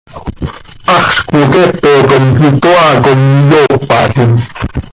Haxz cmoqueepe com itoaa com iyoopalim.